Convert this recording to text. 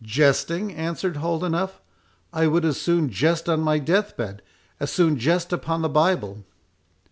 "Jesting!" answered Holdenough; "I would as soon jest on my death bed—as soon jest upon the Bible."